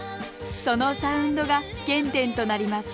そのサウンドが原点となります